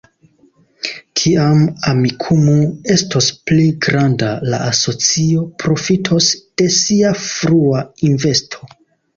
Kiam Amikumu estos pli granda, la asocio profitos de sia frua investo.